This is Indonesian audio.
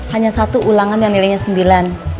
hanya satu ulangan yang nilainya sembilan